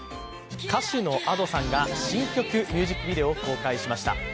歌手のＡｄｏさんが新曲ミュージックビデオを公開しました。